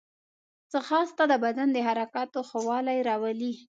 ځغاسته د بدن د حرکاتو ښه والی راولي